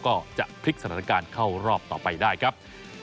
ก็จะพลิกสถานการณ์เข้ารอบต่อไปได้ครับ